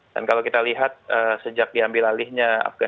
dan kalau kita lihat sejak diambil alihnya